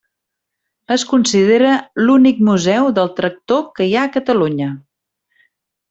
Es considera l'únic museu del tractor que hi ha a Catalunya.